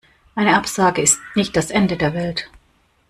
Eine Absage ist nicht das Ende der Welt.